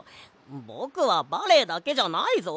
ぼくはバレエだけじゃないぞ。